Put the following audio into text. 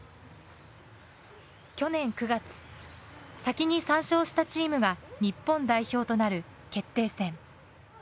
去年９月先に３勝したチームが日本代表となる決定戦。